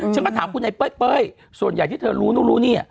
ฉันก็ถามคุณไอ้เป้ยส่วนใหญ่ที่เธอรู้นู่นรู้นี่